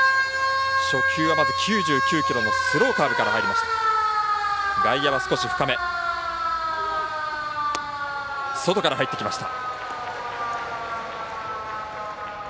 初球は９９キロのスローカーブから入りました。